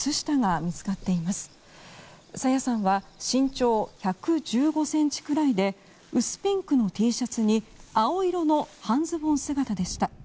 朝芽さんは身長１１５ｃｍくらいで薄ピンクのＴシャツに青色の半ズボン姿でした。